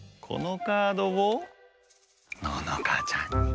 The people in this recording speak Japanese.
このカードをののかちゃんに。